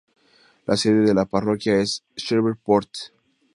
La sede de la parroquia es Shreveport.